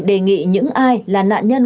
đề nghị những ai là nạn nhân